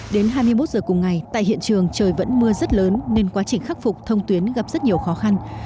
đến hai mươi một giờ cùng ngày tại hiện trường trời vẫn mưa rất lớn nên quá trình khắc phục thông tuyến gặp rất nhiều khó khăn